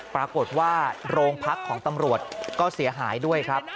ปรากฏว่าโรงพักของตำรวจก็เสียหายด้วยครับ